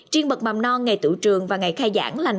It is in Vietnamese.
triên bậc mầm non ngày tự trường và ngày khai giảng là